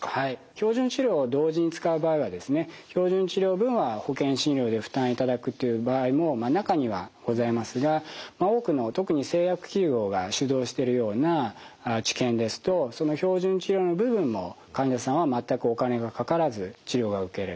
標準治療を同時に使う場合はですね標準治療分は保険診療で負担いただくっていう場合も中にはございますが多くの特に製薬企業が主導しているような治験ですと標準治療の部分も患者さんは全くお金がかからず治療が受けれる。